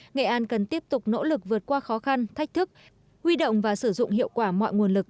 nghệ an cần tiếp tục nỗ lực vượt qua khó khăn thách thức huy động và sử dụng hiệu quả mọi nguồn lực